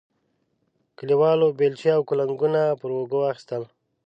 کلیوالو بیلچې او کنګونه پر اوږو واخیستل.